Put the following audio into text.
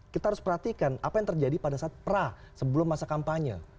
kita harus perhatikan apa yang terjadi pada saat pra sebelum masa kampanye